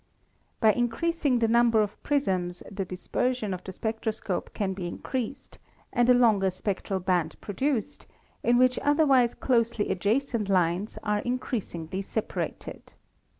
By increasing the number of prisms the dispersion of the spectroscope can be increased, and a longer spectral band produced, in which otherwise closely adjacent lines are increasingly separated.